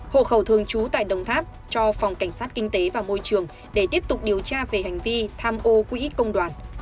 hộ khẩu thường trú tại đồng tháp cho phòng cảnh sát kinh tế và môi trường để tiếp tục điều tra về hành vi tham ô quỹ công đoàn